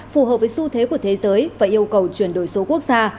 phù hợp với xu thế của thế giới và yêu cầu chuyển đổi số quốc gia